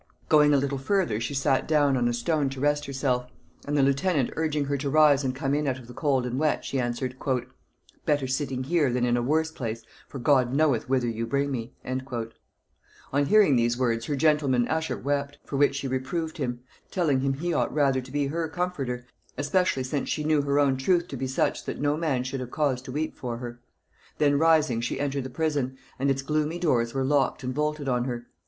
Going a little further, she sat down on a stone to rest herself; and the lieutenant urging her to rise and come in out of the cold and wet, she answered, "Better sitting here than in a worse place, for God knoweth whither you bring me." On hearing these words her gentleman usher wept, for which she reproved him; telling him he ought rather to be her comforter, especially since she knew her own truth to be such, that no man should have cause to weep for her. Then rising, she entered the prison, and its gloomy doors were locked and bolted on her.